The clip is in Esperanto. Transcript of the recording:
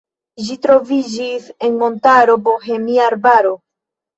Ĝi troviĝis en montaro Bohemia arbaro.